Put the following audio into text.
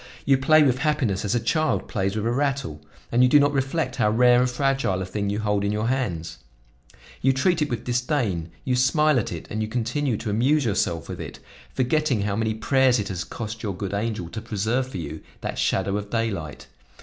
You play with happiness as a child plays with a rattle, and you do not reflect how rare and fragile a thing you hold in your hands; you treat it with disdain, you smile at it and you continue to amuse yourself with it, forgetting how many prayers it has cost your good angel to preserve for you that shadow of daylight!